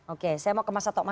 oke saya mau ke mas datta masat